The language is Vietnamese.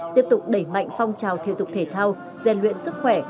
tiếp tục đẩy mạnh phong trào thể dục thể thao gian luyện sức khỏe